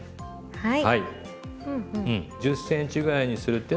はい。